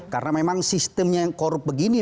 karena memang sistemnya yang korup begini